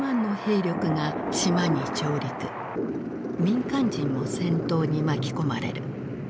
民間人も戦闘に巻き込まれる。